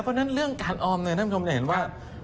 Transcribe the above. เพราะฉะนั้นเรื่องการออมเนี่ยท่านผู้ชมจะเห็นว่า